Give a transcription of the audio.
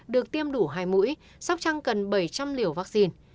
được tiêm đủ hai mũi sóc trăng cần bảy trăm linh liều vaccine